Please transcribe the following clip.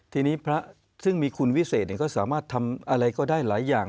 ทีนี้พระซึ่งมีคุณวิเศษก็สามารถทำอะไรก็ได้หลายอย่าง